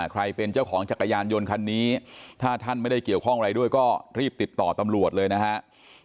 ใครเป็นเจ้าของจักรยานยนต์คันนี้ถ้าท่านไม่ได้เกี่ยวข้องอะไรด้วยก็รีบติดต่อตำรวจเลยนะครับ